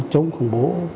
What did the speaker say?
chống khủng bố